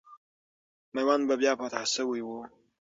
میوند به بیا فتح سوی وو.